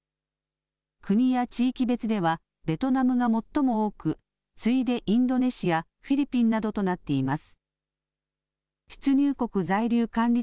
国や地域別ではベトナムが最も多く次いで、インドネシアフィリピンなどとなっています。